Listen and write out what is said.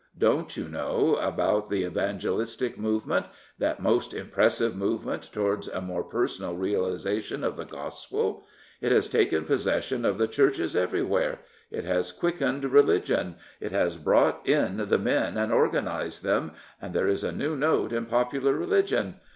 Don't you know about the evangelistic movement, that most impressive movement towards a more personal realisation of the Gospel? It has taken possession of the Churches 301 Prophets, Priests, and Kings cver5^here. It has quickened religion. It has brought in the men and organised them. And there is a new note in popular religion.